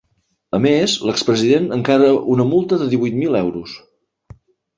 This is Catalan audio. A més, l’ex-president encara una multa de divuit mil euros.